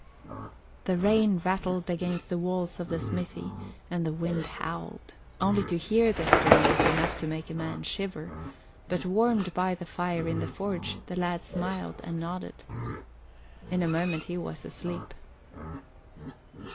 The rain rattled against the walls of the smithy and the wind howled. Only to hear the storm was enough to make a man shiver, but warmed by the fire in the forge the lad smiled and nodded. In a moment he was asleep.